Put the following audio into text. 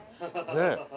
ねえ。